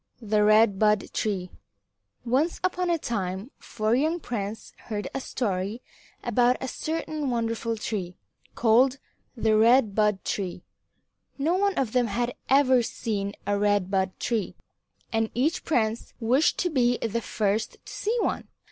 IX THE RED BUD TREE Once upon a time four young princes heard a story about a certain wonderful tree, called the Red Bud Tree. No one of them had ever seen a Red Bud Tree, and each prince wished to be the first to see one.